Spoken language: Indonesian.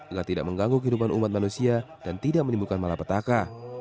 agar tidak mengganggu kehidupan umat manusia dan tidak menimbulkan malapetaka